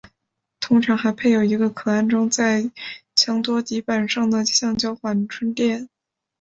通常还配有一个可安装在枪托底板上的橡胶缓冲垫。